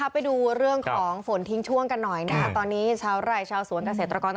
ไปดูเรื่องของฝนทิ้งช่วงกันหน่อยนะตอนนี้ชาวไรชาวสวนเกษตรกร